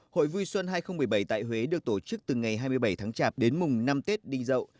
hội vui xuân hai nghìn một mươi bảy tại huế được tổ chức từ ngày hai mươi bảy tháng chạp đến mùng năm tết đi dậu